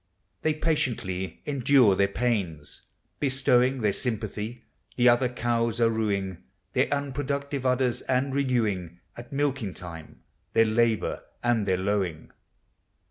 They patiently endure their pains. Bestowing Their sympathy, the other cows are ruing Their unproductive udders, and renewing At milking time their labor and their lowing.